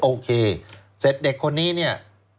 โอเคเสร็จเด็กคนนี้เนี่ย